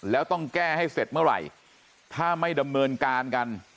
แล้วต้องแก้ให้เสร็จเมื่อไหร่ถ้าไม่ดำเนินการกัน